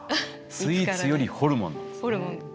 スイーツよりホルモンなんですね。